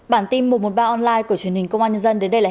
các tỉnh nam bộ chịu tác động đơn thuần của gió tây nam